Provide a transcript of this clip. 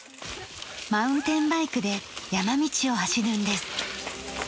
マウンテンバイクで山道を走るんです。